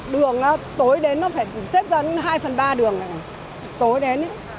đường tối đến nó phải xếp dẫn hai phần ba đường này tối đến